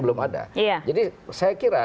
belum ada jadi saya kira